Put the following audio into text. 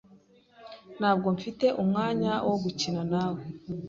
Ntabwo mfite umwanya wo gukina nawe.